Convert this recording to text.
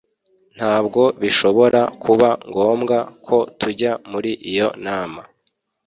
ntabwo bishobora kuba ngombwa ko tujya muri iyo nama